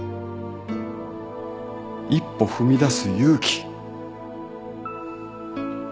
一歩踏み出す勇気。